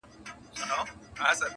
سپی ناجوړه سو او مړ سو ناګهانه,